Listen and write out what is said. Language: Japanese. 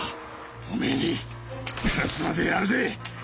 おめぇに勝つまでやるぜ！